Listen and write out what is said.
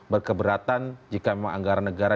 berkeberatan jika memang anggaran negara